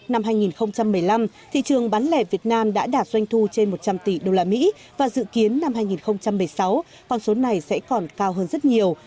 năm hai nghìn một mươi năm thị trường bán lẻ việt nam đã đạt doanh thu trên một trăm linh tỷ usd và dự kiến năm hai nghìn một mươi sáu con số này sẽ còn cao hơn rất nhiều